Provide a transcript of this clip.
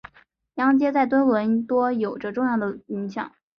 央街在多伦多有着重要的影响。